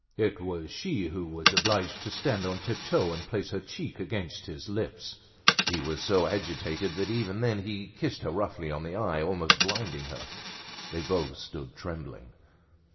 It was she who was obliged to stand on tip toe and place her cheek against his lips; he was so agitated that even then he kissed her roughly on the eye almost blinding her. They both stood trembling.